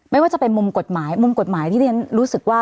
ไม่ว่าจะเป็นมุมกฎหมายมุมกฎหมายที่เรียนรู้สึกว่า